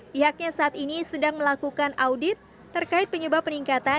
pihaknya saat ini sedang melakukan audit terkait penyebab peningkatan